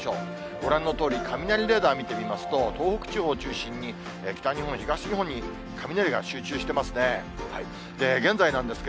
ご覧のとおり、雷レーダー見てみますと、東北地方中心に、北日本、東日本に雷が集中していますね。